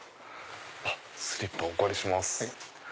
スリッパお借りします。